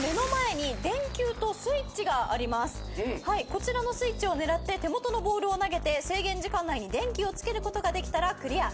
こちらのスイッチを狙って手元のボールを投げて制限時間内に電気をつけることができたらクリア。